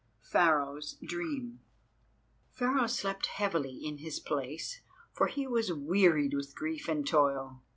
PHARAOH'S DREAM Pharaoh slept heavily in his place, for he was wearied with grief and toil.